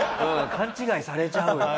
勘違いされちゃうよね